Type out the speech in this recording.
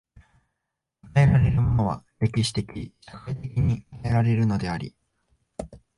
与えられるものは歴史的・社会的に与えられるのであり、